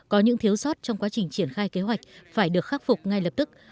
có những thiếu sót trong quá trình triển khai kế hoạch phải được khắc phục ngay lập tức